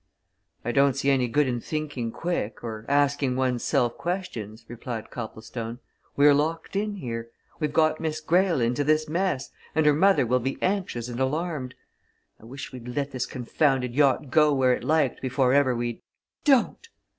"I don't see any good in thinking quick, or asking one's self questions," replied Copplestone. "We're locked in here. We've got Miss Greyle into this mess and her mother will be anxious and alarmed. I wish we'd let this confounded yacht go where it liked before ever we'd " "Don't!"